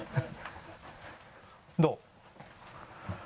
どう？